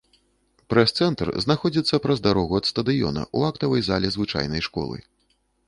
Прэс-цэнтр знаходзіцца праз дарогу ад стадыёна ў актавай зале звычайнай школы.